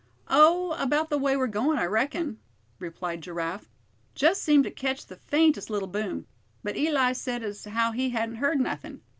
"Oh! about the way we're goin' I reckon," replied Giraffe. "Just seemed to ketch the faintest little boom; but Eli said as how he hadn't heard nothin'.